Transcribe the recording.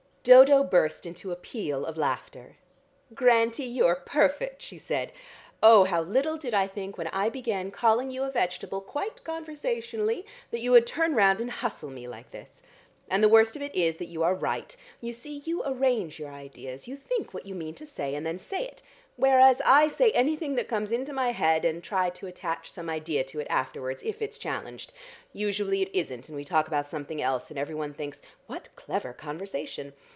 Dodo burst into a peal of laughter. "Grantie, you're perfect!" she said. "Oh, how little did I think when I began calling you a vegetable, quite conversationally, that you would turn round and hustle me like this. And the worst of it is that you are right. You see, you arrange your ideas, you think what you mean to say, and then say it, whereas I say anything that comes into my head, and try to attach some idea to it afterwards if it's challenged. Usually it isn't, and we talk about something else, and everyone thinks 'What clever conversation!'